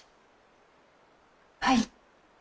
はい。